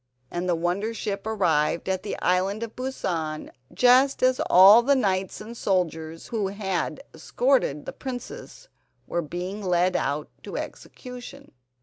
And the wonder ship arrived at the Island of Busan just as all the knights and soldiers who had escorted the princess were being led out to execution.